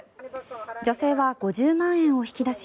女性は５０万円を引き出し